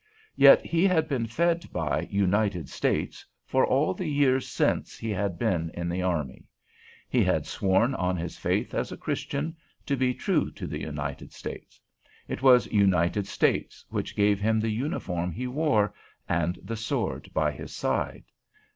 Yet he had been fed by "United States" for all the years since he had been in the army. He had sworn on his faith as a Christian to be true to "United States." It was "United States" which gave him the uniform he wore, and the sword by his side.